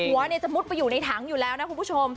หัวจะมุดไปอยู่ในถังอยู่แล้วนะคุณผู้ชม